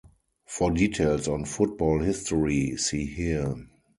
For details on football history, see here.